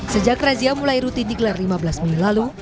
sejak razia mulai rutin digelar lima belas mei lalu